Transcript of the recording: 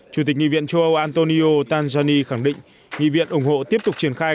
chủ tịch nghị viện châu âu antonio tanjani khẳng định nghị viện ủng hộ tiếp tục triển khai